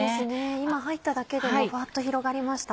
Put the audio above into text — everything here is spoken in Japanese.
今入っただけでもふわっと広がりました。